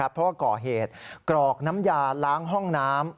เพราะว่าก่อเหตุกรอกน้ำยาล้างห้องน้ำ